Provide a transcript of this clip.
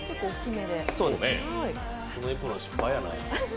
そのエプロン失敗やなあ。